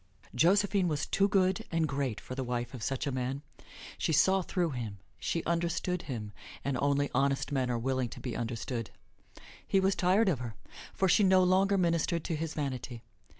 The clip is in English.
Josephine was too good and great for the wife of such a man. She saw through him. She understood him, and only honest men are willing to be understood. He was tired of her, for she no longer ministered to his vanity.